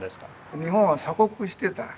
日本は鎖国してた。